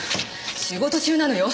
仕事中なのよ。